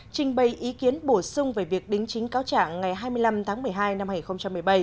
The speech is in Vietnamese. trình bày ý kiến bổ sung về việc đính chính cáo trạng ngày hai mươi năm tháng một mươi hai năm hai nghìn một mươi bảy